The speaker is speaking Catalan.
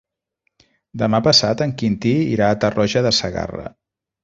Demà passat en Quintí irà a Tarroja de Segarra.